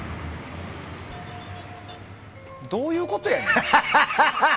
どういうことやねん！